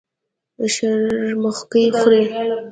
شرموښکۍ خوري.